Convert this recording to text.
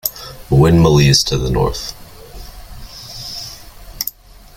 Winmalee is to the north.